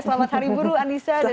selamat hari buruh anissa dan juga albi